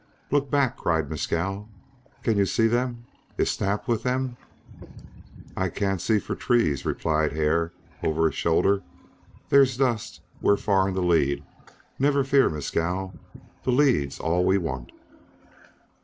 "Look back!" cried Mescal. "Can you see them? Is Snap with them?" "I can't see for trees," replied Hare, over his shoulder. "There's dust we're far in the lead never fear, Mescal. The lead's all we want."